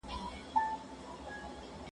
متواضع او خاکسار اوسئ.